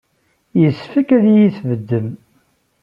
Yessefk ad iyi-tbeddem.